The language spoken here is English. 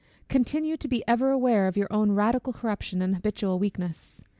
Continue to be ever aware of your own radical corruption and habitual weakness.